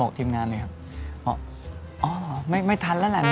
บอกทีมงานเลยครับอ๋อไม่ทันแล้วแหละโนนน